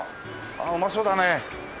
ああうまそうだね。